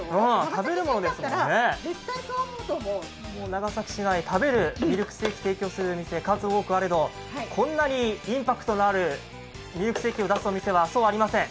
長崎市内、食べるミルクセーキを提供するお店、数多くあれど、こんなにインパクトのあるミルクセーキを出すお店は、そうありません。